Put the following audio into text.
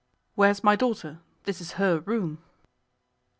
'Where is my daughter? This is her room.